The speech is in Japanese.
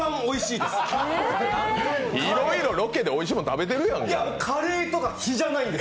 いろいろロケでおいしいもん食べてるやん。